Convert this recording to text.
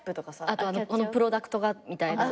あと「このプロダクトが」みたいな。